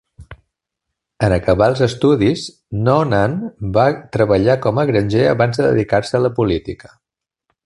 En acabar els estudis, Noonan va treballar com a granger abans de dedicar-se a la política.